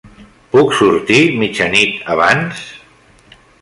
Puc sortir mitja nit abans?